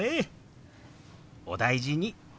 お大事に。